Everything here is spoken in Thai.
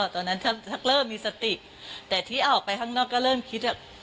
ตอนนั้นเริ่มมีสติแต่ที่ออกไปข้างนอกก็เริ่มคิด